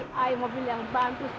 saya mobil yang bantus gitu